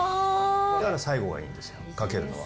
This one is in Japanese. だから最後がいいんですよ、かけるのは。